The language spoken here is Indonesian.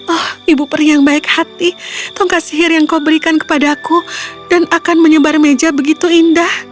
oh ibu peri yang baik hati tongkat sihir yang kau berikan kepadaku dan akan menyebar meja begitu indah